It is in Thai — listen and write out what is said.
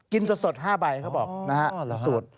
สด๕ใบเขาบอกนะฮะสูตร